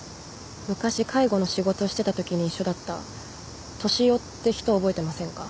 昔介護の仕事してたときに一緒だったトシヨって人覚えてませんか？